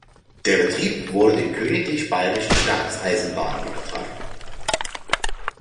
Der Betrieb wurde den Königlich Bayerischen Staatseisenbahnen übertragen.